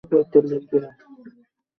বাজে হয়েছে একেবারে।